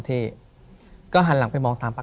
ถูกต้องไหมครับถูกต้องไหมครับ